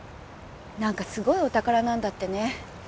なんかすごいお宝なんだってね。